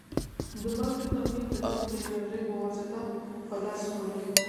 د مالګې تبخیر د لمر د انرژي په واسطه په لاس راوړي.